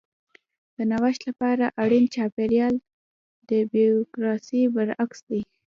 د نوښت لپاره اړین چاپېریال د بیوروکراسي برعکس دی.